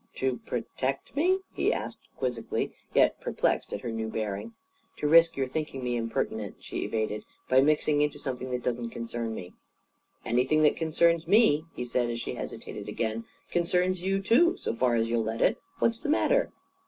"To protect me?" he asked quizzically, yet perplexed at her new bearing. "To risk your thinking me impertinent," she evaded, "by mixing into something that doesn't concern me." "Anything that concerns me," he said as she hesitated again, "concerns you, too; so far as you'll let it. What's the matter?"